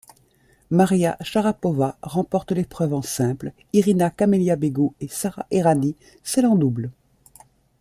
Maria Sharapova remporte l'épreuve en simple, Irina-Camelia Begu et Sara Errani celle en double.